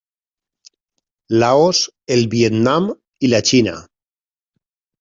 Laos, el Vietnam i la Xina.